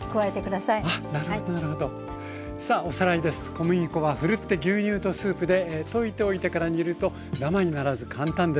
小麦粉はふるって牛乳とスープで溶いておいてから煮るとダマにならず簡単です。